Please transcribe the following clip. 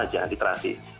dan kemudian juga di netflix